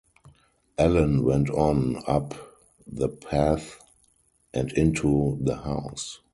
Ellen went on up the path and into the house.